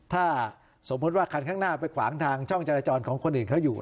ถ้าสมมุติว่าคันข้างหน้าไปขวางทางช่องจราจรของคนอื่นเขาอยู่